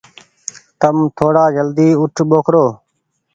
تم ٿوڙآ جلدي اوٺ ٻوکرو۔